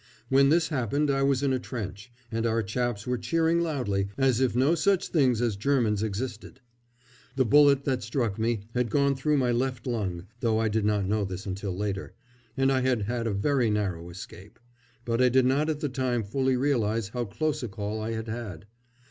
When this happened I was in a trench, and our chaps were cheering loudly, as if no such things as Germans existed. The bullet that struck me had gone through my left lung, though I did not know this until later, and I had had a very narrow escape; but I did not at the time fully realise how close a call I had had.